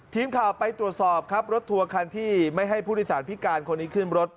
ทีมข่าวไปตรวจสอบครับรถทัวร์คันที่ไม่ให้ผู้โดยสารพิการคนนี้ขึ้นรถ